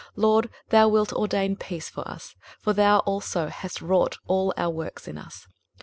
23:026:012 LORD, thou wilt ordain peace for us: for thou also hast wrought all our works in us.